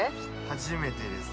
初めてです。